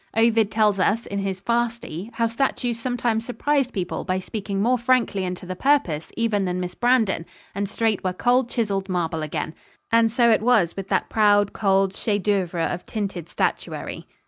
Ovid tells us, in his 'Fasti,' how statues sometimes surprised people by speaking more frankly and to the purpose even than Miss Brandon, and straight were cold chiselled marble again; and so it was with that proud, cold chef d'oeuvre of tinted statuary.